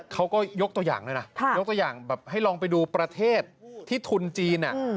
เขาก็ยกตัวอย่างด้วยนะยกตัวอย่างแบบให้ลองไปดูประเทศที่ทุนจีน